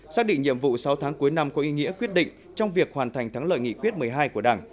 xác định nhiệm vụ sáu tháng cuối năm có ý nghĩa quyết định trong việc hoàn thành thắng lợi nghị quyết một mươi hai của đảng